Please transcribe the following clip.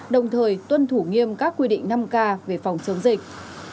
đồng thời tuân thủ nghiêm các quy định năm k về phòng chống dịch